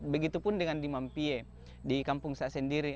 begitupun dengan di mampie di kampung saya sendiri